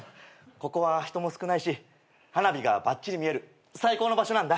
ここは人も少ないし花火がばっちり見える最高の場所なんだ。